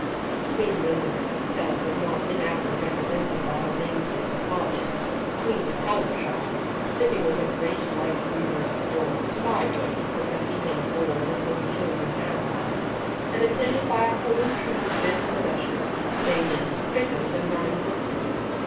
Queen Elizabeth herself was not inaptly represented by her namesake of Hardwicke, the Queen of Hallamshire, sitting on her great white mule at the door, sideways, with her feet on a board, as little children now ride, and attended by a whole troop of gentlemen ushers, maidens, prickers, and running footmen.